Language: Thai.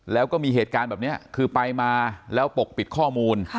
แล้วก็มีเหตุการณ์แบบนี้คือไปมาแล้วปกปิดข้อมูล